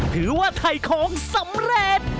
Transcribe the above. ถือว่าถ่ายของสำเร็จ